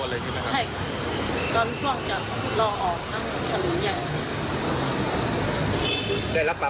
ได้รักล้ามแบบเจ็บมั้ยครับ